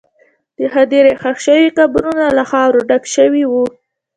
د هدیرې ښخ شوي قبرونه له خاورو ډک شوي وو.